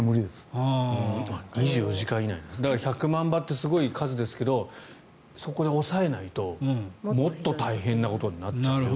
１００万羽ってすごい数ですけどそこで抑えないともっと大変なことになっちゃうという。